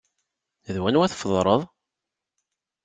D wanwa tfeḍreḍ?